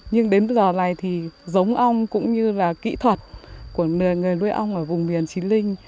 nhưng đến giờ này giống ong cũng như kỹ thuật của người nuôi ong ở vùng miền chí linh